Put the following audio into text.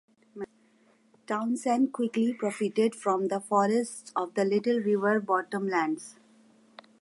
Townsend quickly profited from the forests of the Little River bottomlands.